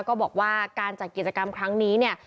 ก็บอกว่าการจัดกิจกรรมครั้งนี้เนี่ย